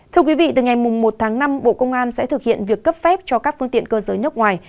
thưa quý vị từ ngày một tháng năm bộ công an sẽ thực hiện việc cấp phép cho các phương tiện cơ giới nước ngoài